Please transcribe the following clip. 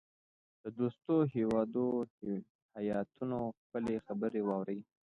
د دوستو هیوادو هیاتونو خپلي خبرې واورلې.